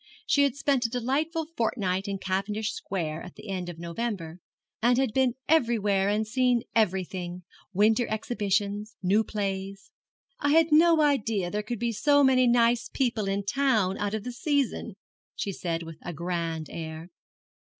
She had spent a delightful fortnight in Cavendish Square at the end of November, and had been everywhere and seen everything winter exhibitions new plays. 'I had no idea there could be so many nice people in town out of the season,' she said with a grand air.